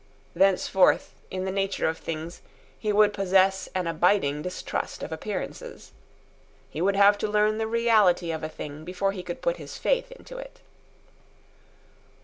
Thenceforth, in the nature of things, he would possess an abiding distrust of appearances. He would have to learn the reality of a thing before he could put his faith into it.